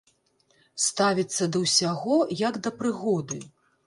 Ставіцца да ўсяго як да прыгоды.